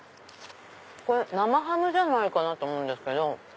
これ生ハムじゃないかなと思うんですけど。